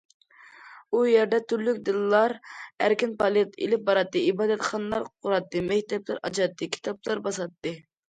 ئۇ يەردە تۈرلۈك دىنلار ئەركىن پائالىيەت ئېلىپ باراتتى، ئىبادەتخانىلار قۇراتتى، مەكتەپلەر ئاچاتتى، كىتابلار باساتتى.